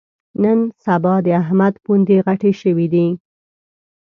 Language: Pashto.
نن سبا د احمد پوندې غټې شوې دي.